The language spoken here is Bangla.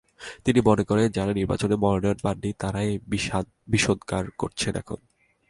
তিনি মনে করেন, যাঁরা নির্বাচনে মনোনয়ন পাননি, তাঁরাই বিষোদগার করছেন এখন।